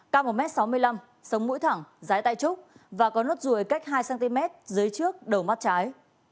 cao một m sáu mươi năm sống mũi thẳng dái tay trúc và con hốt ruồi cách hai cm dưới trước đầu mắt trái